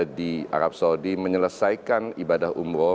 jadi arab saudi menyelesaikan ibadah umroh